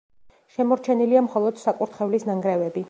შემორჩენილია მხოლოდ საკურთხევლის ნანგრევები.